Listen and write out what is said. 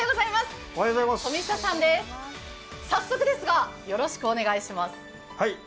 富下さんです、早速ですがよろしくお願いします。